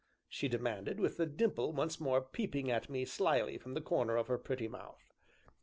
she demanded, with the dimple once more peeping at me slyly from the corner of her pretty mouth.